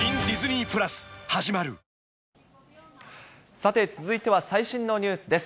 さて、続いては最新のニュースです。